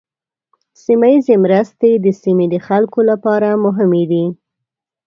سیمه ایزه مرستې د سیمې د خلکو لپاره مهمې دي.